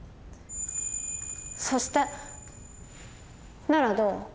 「そして」ならどう？